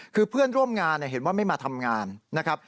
คือเพื่อนร่วมงานเห็นว่าไม่มาทำงานนะครับ